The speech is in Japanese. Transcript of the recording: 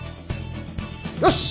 よし！